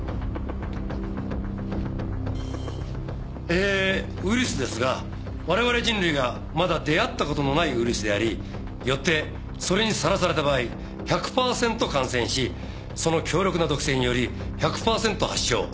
えーウイルスですが我々人類がまだ出会った事のないウイルスでありよってそれにさらされた場合１００パーセント感染しその強力な毒性により１００パーセント発症。